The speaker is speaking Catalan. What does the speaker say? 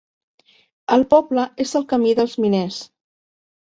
El poble és al Camí dels Miners.